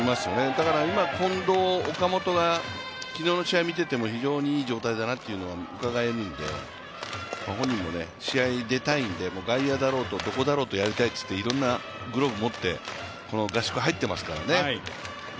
だから今、近藤、岡本が昨日の試合を見ていても非常にいい状態だなっていうのはうかがえるんで、本人も試合出たいんで外野だろうとどこだろうとやりたいといって、いろんなグローブを持って、この合宿に入ってますからね。